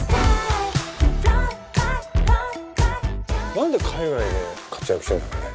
何で海外で活躍してんだろうね。